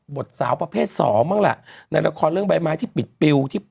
สาวประเภทสองบ้างล่ะในละครเรื่องใบไม้ที่ปิดปิวที่